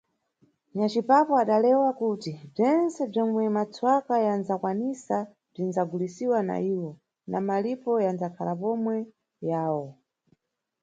Nyacipapu adalewa kuti bzwentse bzwomwe matswaka yanʼdzakwanisa bzwinʼdzagulisiwa na iwo, na malipo yanʼdzakhala pomwe yawo.